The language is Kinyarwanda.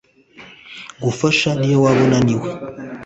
gufasha niyo waba unaniwe